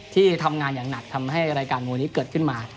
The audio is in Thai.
ที่ทำงานอย่างหนักทำให้รายการมวยนี้เกิดขึ้นมา